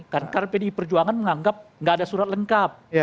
karena pdi perjuangan menganggap gak ada surat lengkap